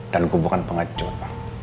dan gue bukan pengecut